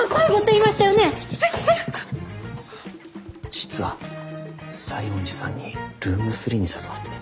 実は西園寺さんにルーム３に誘われてて。